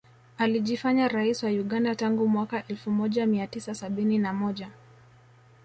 Alijifanya rais wa Uganda tangu mwaka elfu moja mia tisa sabini na moja